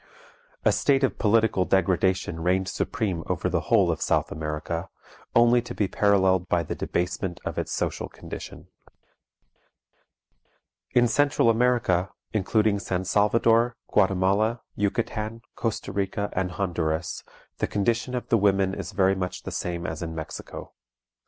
A state of political degradation reigned supreme over the whole of South America, only to be paralleled by the debasement of its social condition. In Central America, including San Salvador, Guatemala, Yucatan, Costa Rica, and Honduras, the condition of the women is very much the same as in Mexico.